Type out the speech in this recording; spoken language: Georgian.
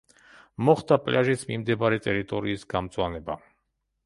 მოხდა პლაჟის მიმდებარე ტერიტორიის გამწვანება.